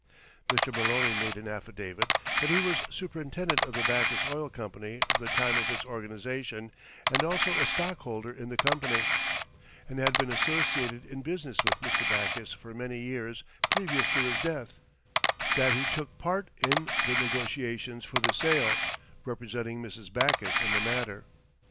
Mr. Maloney made an affidavit that he was superintendent of the Backus Oil Company from the time of its organization, and also a stockholder in the company, and had been associated in business with Mr. Backus for many years previous to his death; that he took part in the negotiations for the sale, representing Mrs. Backus in the matter.